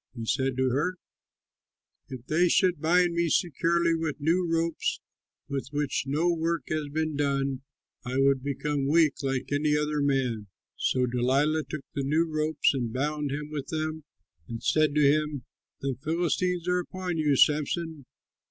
He said to her, "If they should bind me securely with new ropes with which no work has been done, I would become weak like any other man." So Delilah took new ropes and bound him with them and said to him, "The Philistines are upon you, Samson!"